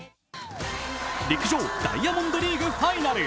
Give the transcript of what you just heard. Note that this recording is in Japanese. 陸上ダイヤモンドリーグファイナル。